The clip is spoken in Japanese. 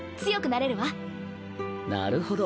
なるほど。